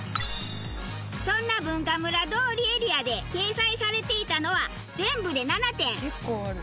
そんな文化村通りエリアで掲載されていたのは全部で７店。